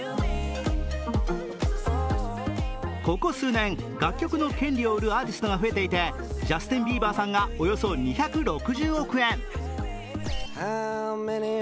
ここ数年、楽曲の権利を売るアーティストが増えていて、ジャスティン・ビーバーさんがおよそ２６０億円。